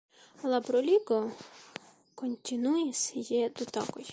La bruligo kontinuis je du tagoj.